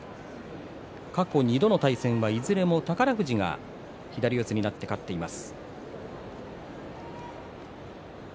過去２度の対戦はいずれも宝富士が左四つになって勝っています。